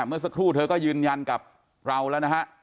เมื่อสักครู่เธอก็ยืนยันกับเราแล้วนะฮะ